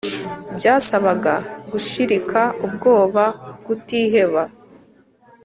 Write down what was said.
byasabaga gushirika ubwoba kutiheba